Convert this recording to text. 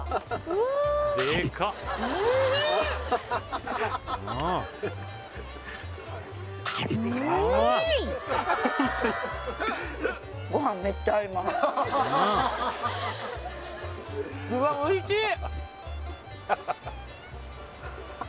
うわっおいしい